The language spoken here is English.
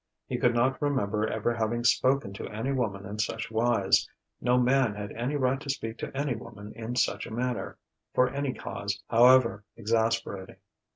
He could not remember ever having spoken to any woman in such wise: no man had any right to speak to any woman in such a manner, for any cause, however exasperating.